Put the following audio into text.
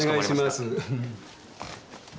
お願いします。